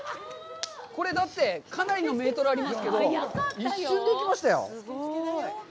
これ、だってかなりのメートルありますけど、一瞬で行きましたよ！